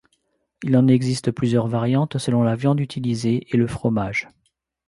Il en existe plusieurs variantes selon la viande utilisée et le fromage.